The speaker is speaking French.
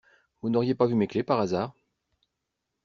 Vous n'auriez pas vu mes clés, par hasard?